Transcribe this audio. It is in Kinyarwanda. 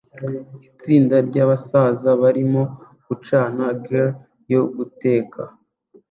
Itsinda ryabasaza barimo gucana grill yo guteka